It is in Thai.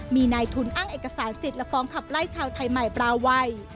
มีนายทุนอ้างเอกสารสิทธิ์และฟ้องขับไล่ชาวไทยใหม่ปลาวัย